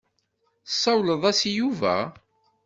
Tessawleḍ-as i Yuba?